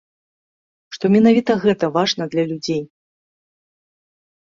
Што менавіта гэта важна для людзей.